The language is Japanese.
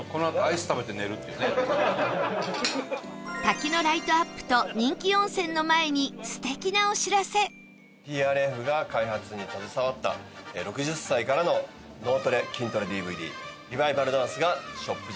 滝のライトアップと人気温泉の前に ＴＲＦ が開発に携わった６０歳からの脳トレ・筋トレ ＤＶＤ『リバイバルダンス』がショップ